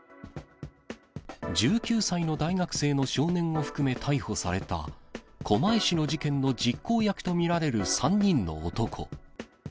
１９歳の大学生の少年を含め逮捕された、狛江市の事件の実行役と見られる３人の男。